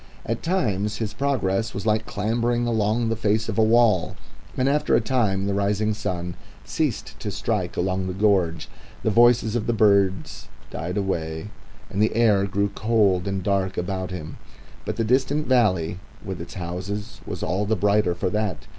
At times his progress was like clambering along the face of a wall, and after a time the rising sun ceased to strike along the gorge, the voices of the singing birds died away, and the air grew cold and dark about him. But the distant valley with its houses was all the brighter for that.